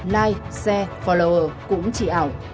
like share follower cũng chỉ ảo